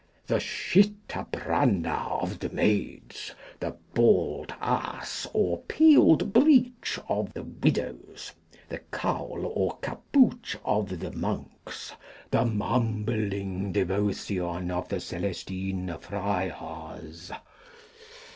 The Shitabranna of the Maids. The Bald Arse or Peeled Breech of the Widows. The Cowl or Capouch of the Monks. The Mumbling Devotion of the Celestine Friars.